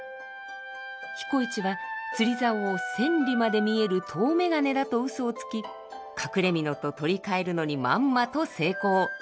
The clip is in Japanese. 彦市は釣り竿を千里まで見える遠眼鏡だとうそをつき隠れ蓑と取り換えるのにまんまと成功。